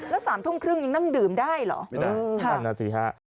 แล้ว๓ทุ่มครึ่งยังนั่งดื่มได้หรอ